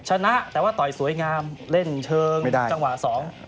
ชนะแต่ว่าต่อยสวยงามเล่นเชิงดูจังหวะสอง